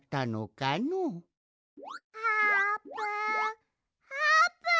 あーぷん。